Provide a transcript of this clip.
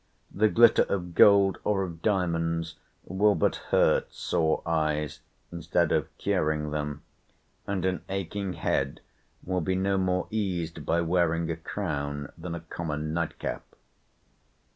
The glitter of gold, or of diamonds, will but hurt sore eyes instead of curing them; and an aching head will be no more eased by wearing a crown, than a common night cap."